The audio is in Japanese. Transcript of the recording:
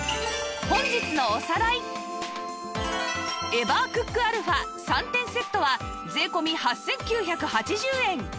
エバークック α３ 点セットは税込８９８０円